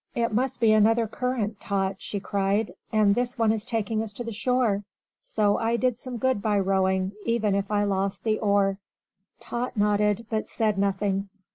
"It must be another current, Tot," she cried, "and this one is taking us to the shore. So I did some good by rowing, even if I lost the oar." Tot nodded, but said nothing.